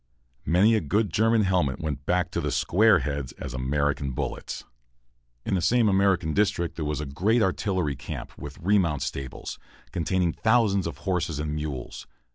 Many a good German helmet went back to the "square heads" as American bullets. In the same American district there was a great artillery camp, with remount stables, containing thousands of horses and mules.